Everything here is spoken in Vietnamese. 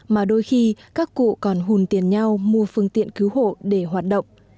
mà đôi khi các cụ còn hùn tiền nhau mua phương tiện cứu hộ để hoạt động